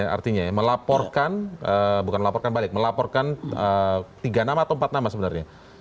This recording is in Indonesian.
artinya melaporkan tiga nama atau empat nama sebenarnya